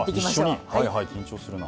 緊張するな。